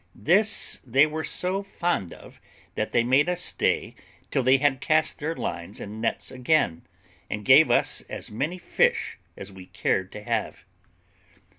This they were so fond of that they made us stay till they had cast their lines and nets again, and gave us as many fish as we cared to have.